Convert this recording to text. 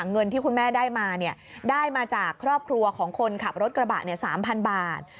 เงินที่คุณแม่ได้มาได้มาจากครอบครัวของคนขับรถกระบะ๓๐๐บาท